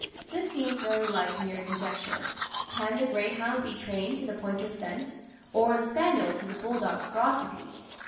This seems very like mere conjecture. Can the greyhound be trained to the pointer's scent or the spaniel to the bulldog's ferocity?